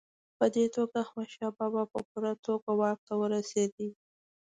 په دې توګه احمدشاه بابا په پوره توګه واک ته ورسېد.